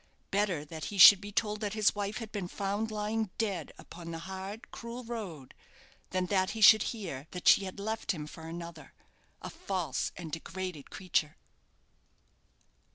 Better that he should be told that his wife had been found lying dead upon the hard, cruel road, than that he should hear that she had left him for another; a false and degraded creature!